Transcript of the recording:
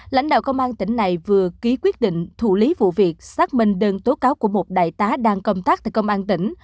lãnh đạo công an tỉnh này vừa ký quyết định thủ lý vụ việc xác minh đơn tố cáo của một đại tá đang công tác tại công an tỉnh